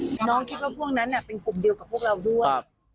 น้องคิดว่าทีนี้ฟื้นมันเป็นกรุ่งเดียวกับพวกเรากัน